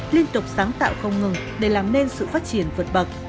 liên tục sáng tạo không ngừng để làm nên sự phát triển vượt bậc